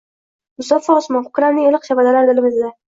Musaffo osmon, koʻklamning iliq shabadalari dilimizda